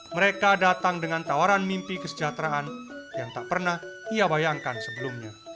mereka datang dengan tawaran mimpi kesejahteraan yang tak pernah ia bayangkan sebelumnya